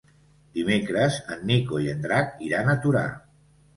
Dimecres en Nico i en Drac iran a Torà.